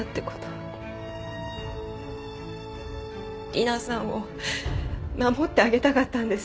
理奈さんを守ってあげたかったんです。